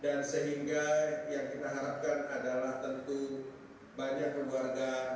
dan sehingga yang kita harapkan adalah tentu banyak keluarga